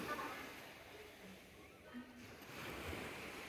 Vlastně je to něco z Ruska.